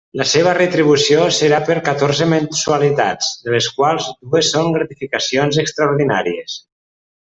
La seva retribució serà per catorze mensualitats, de les quals dues són gratificacions extraordinàries.